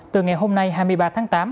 từ ngày hôm nay hai mươi ba tháng tám